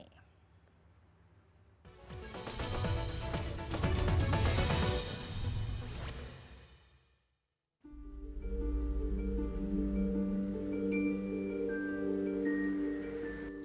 kalahkan kalahraga di dengah kondisi polusi seperti ini